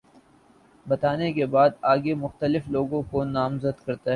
بتانے کے بعد آگے مختلف لوگوں کو نامزد کرتا ہے